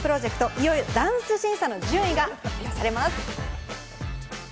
いよいよ、ダンス審査の順位が発表されます。